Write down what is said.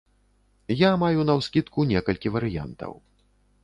Я маю наўскідку некалькі варыянтаў.